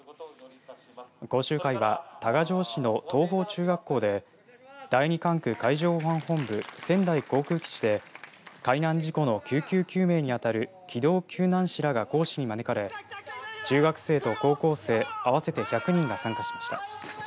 講習会は多賀城市の東豊中学校で第２管区海上保安本部仙台航空基地で海難事故の救急救命にあたる機動救難士らが講師に招かれ中学生と高校生合わせて１００人が参加しました。